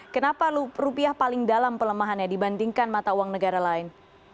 kenapa rupiah paling dalam pelemahannya dibandingkan mata uang negara lain